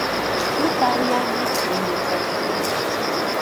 Куд арня гипс дене кошто.